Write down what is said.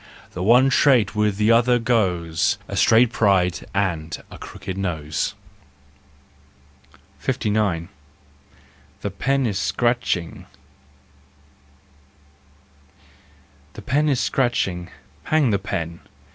The one trait with the other goes : A straight pride and a crooked nose. 59 The Pen is Scratching. ... The pen is scratching: hang the pen